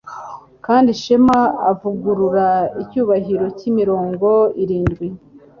Kandi ishema uvugurura icyubahiro cyimirongo irindwi